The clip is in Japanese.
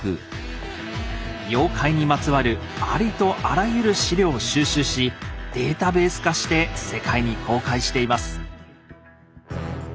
妖怪にまつわるありとあらゆる資料を収集しデータベース化して世界に公開しています。